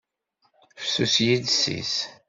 Fessus yiles-is.